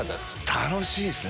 楽しいっすね。